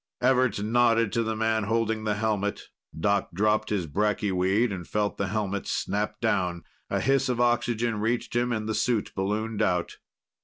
Everts nodded to the man holding the helmet. Doc dropped his bracky weed and felt the helmet snap down. A hiss of oxygen reached him and the suit ballooned out.